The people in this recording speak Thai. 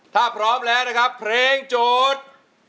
ถ้าพร้อมแล้วนะครับเพลงโจทย์